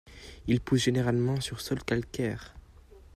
Il pousse généralement sur sol calcaire.